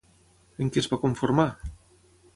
En què es va conformar?